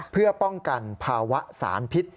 เพื่อป้องกันภาวะสารพิษ